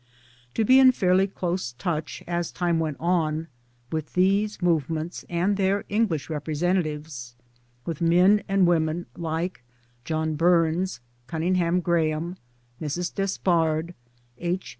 To be in fairly close touch, as time went on, with these movements and their (English) representatives with men and women like John Burns, Cunninghame Graham, Mrs. Despard, H.